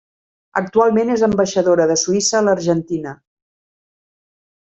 Actualment és ambaixadora de Suïssa a l'Argentina.